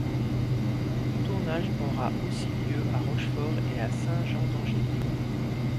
Le tournage aura aussi lieu à Rochefort et à Saint-Jean-d'Angély.